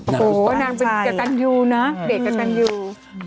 โอ้โหนางเป็นกระตันยูนะเด็กกระตันยู